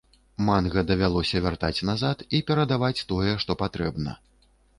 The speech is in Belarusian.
Манга давялося вяртаць назад і перадаваць тое, што патрэбна.